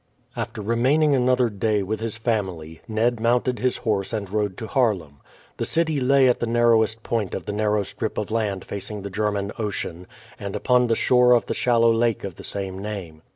After remaining another day with his family, Ned mounted his horse and rode to Haarlem. The city lay at the narrowest point of the narrow strip of land facing the German Ocean, and upon the shore of the shallow lake of the same name.